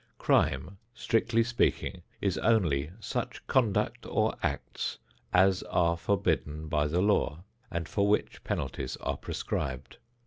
Crime, strictly speaking, is only such conduct or acts as are forbidden by the law and for which penalties are prescribed.